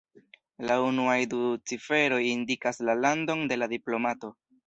La unuaj du ciferoj indikas la landon de la diplomato.